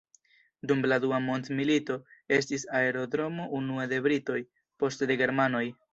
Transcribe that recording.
Dum la Dua mondmilito estis aerodromo unue de britoj, poste de germanoj.